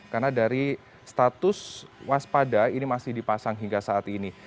karena dari status waspada ini masih dipasang hingga saat ini